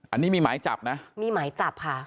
อันนี้มีหมายจับนะมีหมายจับค่ะ